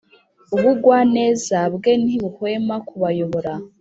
ubugwaneza bwe ntibuhwema kubayobora